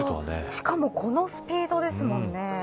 しかもこのスピードですもんね。